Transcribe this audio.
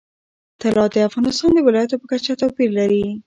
طلا د افغانستان د ولایاتو په کچه توپیر لري.